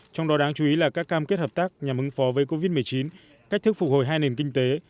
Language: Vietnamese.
trong đó đáng chú ý là các cam kết hợp tác nhằm ứng phó với covid một mươi chín cách thức phục hồi hai nền kinh tế